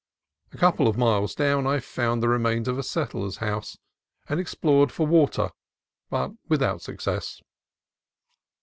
A couple of miles down I found the re mains of a settler's house, and explored for water, but without success.